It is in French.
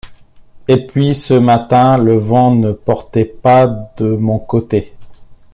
Et puis, ce matin, le vent ne portait pas de mon côté.